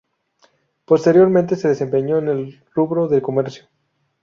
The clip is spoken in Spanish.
Posteriormente se desempeñó en el rubro del comercio.